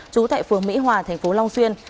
trú tại phường mỹ hòa tp long xuyên